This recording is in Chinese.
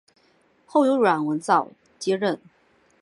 后由阮文藻接任。